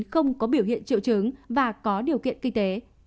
không có biểu hiện triệu chứng và có điều kiện kinh tế